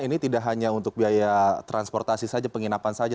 ini tidak hanya untuk biaya transportasi saja penginapan saja